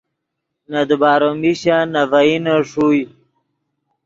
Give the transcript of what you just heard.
نے دیبارو میشن نے ڤئینے ݰوئے